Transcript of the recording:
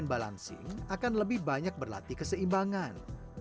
dan pengalian balancing akan lebih banyak berlatih keseimbangan